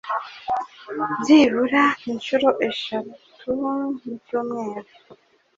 byibura inshuro eshanu mu cyumweru